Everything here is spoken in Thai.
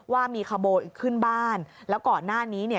ว่ามีขโมยขึ้นบ้านแล้วก่อนหน้านี้เนี่ย